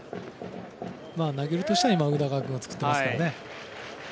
投げるとしたら宇田川君が作ってますからね。